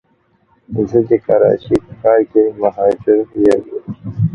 زه د کراچی په ښار کي مهاجر یم